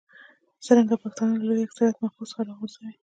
څرنګه پښتانه له لوی اکثریت موقف څخه راوغورځوي.